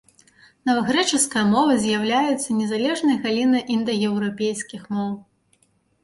Навагрэчаская мова з'яўляецца незалежнай галіной індаеўрапейскіх моў.